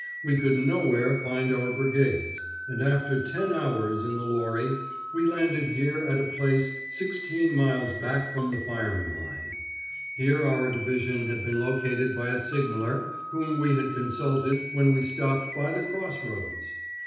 We could nowhere find our brigades, and after ten hours in the lorry we landed here at a place sixteen miles back from the firing line; here our division had been located by a signaller, whom we had consulted when we stopped by the cross roads!